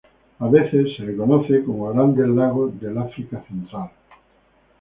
A veces se les conoce como grandes lagos del África central.